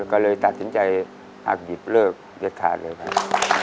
ก็เลยตัดสินใจหักหยิบเลิกเด็ดขาดเลยครับ